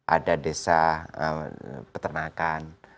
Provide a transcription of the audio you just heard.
ada desa peternakan